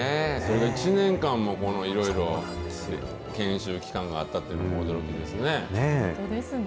１年間もいろいろ研修期間があったというのも驚きですね。